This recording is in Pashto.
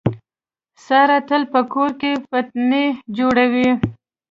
ساره تل په کور کې فتنې جوړوي.